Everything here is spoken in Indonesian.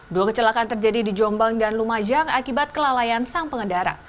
dua kecelakaan terjadi di jombang dan lumajang akibat kelalaian sang pengendara